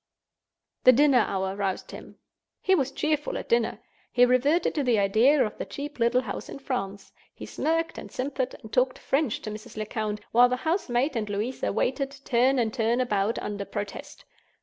The dinner hour roused him. He was cheerful at dinner; he reverted to the idea of the cheap little house in France; he smirked and simpered; and talked French to Mrs. Lecount, while the house maid and Louisa waited, turn and turn about, under protest.